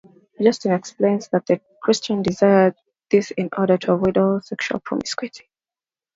Justin explains that the Christian desired this in order to avoid all sexual promiscuity.